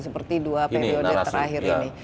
seperti dua periode terakhir ini